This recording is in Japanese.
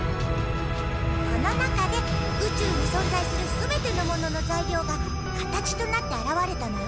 この中で宇宙にそんざいする全てのものの材料が形となってあらわれたのよ。